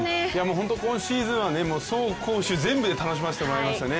本当に今シーズンは走攻守全部で楽しませてもらいましたね。